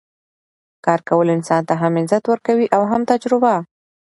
کار کول انسان ته هم عزت ورکوي او هم تجربه